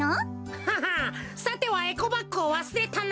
ははさてはエコバッグをわすれたな？